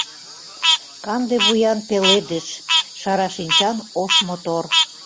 Канде вуян пеледыш — шара шинчан ош мотор.